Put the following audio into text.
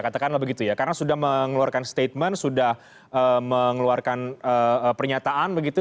katakanlah begitu ya karena sudah mengeluarkan statement sudah mengeluarkan pernyataan begitu